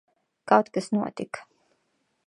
Kaut kas notika.